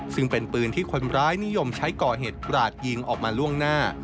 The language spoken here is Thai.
ซึ่งเป็นปืนที่คนร้ายนิยมใช้ก่อเหตุกราดยิงออกมาล่วงหน้า